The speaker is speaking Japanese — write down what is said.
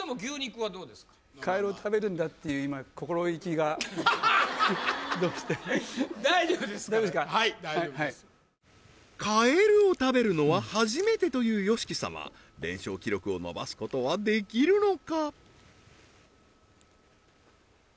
はい大丈夫ですカエルを食べるのは初めてというＹＯＳＨＩＫＩ様連勝記録を伸ばすことはできるのか？